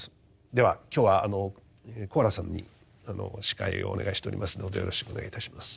では今日は小原さんに司会をお願いしておりますのでよろしくお願いいたします。